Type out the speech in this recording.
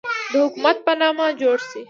د حکومت په نامه جوړ شي.